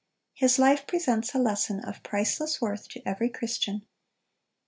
His life presents a lesson of priceless worth to every Christian.